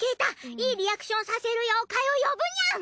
いいリアクションさせる妖怪を呼ぶニャン！